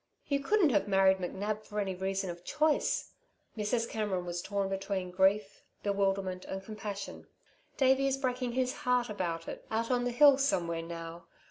"You couldn't have married McNab for any reason of choice." Mrs. Cameron was torn between grief, bewilderment and compassion. "Davey is breaking his heart about it, out on the hills somewhere, now.